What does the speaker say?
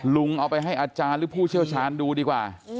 ลุงเอาไปให้อาจารย์หรือผู้เชี่ยวชาญดูดีกว่า